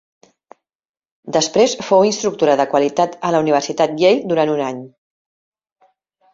Després fou instructora de qualitat a la Universitat Yale durant un any.